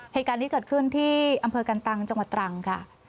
เหตุการณ์นี้เกิดขึ้นที่อำเภอกันตังจังหวัดตรังค่ะ